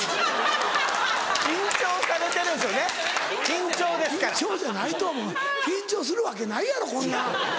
緊張じゃないと思う緊張するわけないやろこんな。